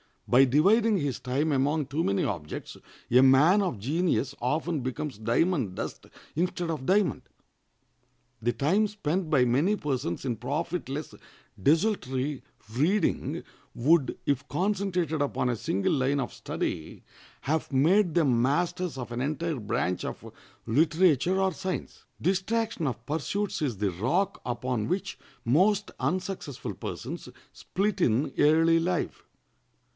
By dividing his time among too many objects, a man of genius often becomes diamond dust instead of diamond. The time spent by many persons in profitless, desultory reading would, if concentrated upon a single line of study, have made them masters of an entire branch of literature or science. Distraction of pursuits is the rock upon which most unsuccessful persons split in early life.